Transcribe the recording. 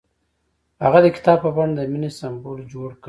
هغه د کتاب په بڼه د مینې سمبول جوړ کړ.